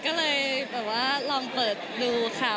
ก็เลยลองเปิดดูค่ะ